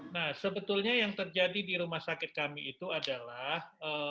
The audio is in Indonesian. nah sebetulnya yang terjadi di rumah sakit kami itu adalah